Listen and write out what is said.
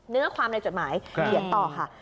เนื้อความในจดหมายเขียนต่อค่ะ